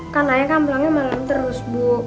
kan ayah pulangnya malem terus bu